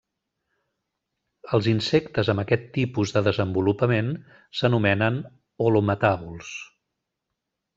Els insectes amb aquest tipus de desenvolupament s'anomenen holometàbols.